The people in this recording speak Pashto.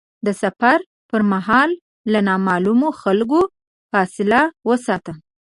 د سفر پر مهال له نامعلومو خلکو فاصله وساته.